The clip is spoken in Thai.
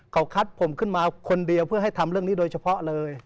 เขาคัดผมขึ้นมาคนเดียวเพื่อให้ทำเรื่องนี้โดยเฉพาะเลย